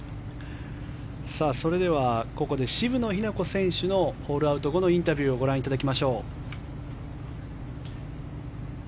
それではここで渋野日向子選手のホールアウト後のインタビューをご覧いただきましょう。